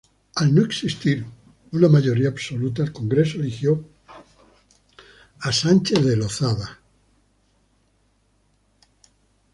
Al no existir una mayoría absoluta, el Congreso eligió a Sánchez de Lozada.